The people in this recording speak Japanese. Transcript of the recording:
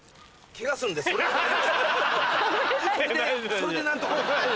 それで何とか。